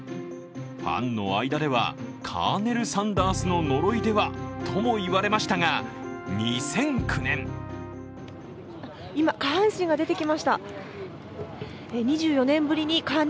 ファンの間では、カーネル・サンダースの呪いではとも言われましたが、２００９年その、あのカーネルおじさんは今どこへ？